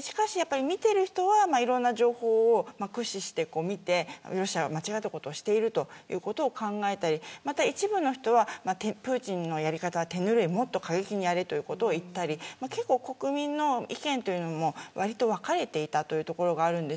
しかし、見ている人はいろんな情報を駆使してみてロシアは間違ったことをしていると考えたり一部の人はプーチンのやり方は手ぬるいもっと過激にやれということを言ったり結構、国民の意見というのも分かれていたところがあるんです。